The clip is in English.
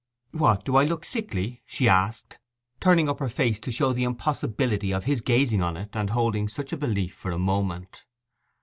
'What, do I look sickly?' she asked, turning up her face to show the impossibility of his gazing on it and holding such a belief for a moment.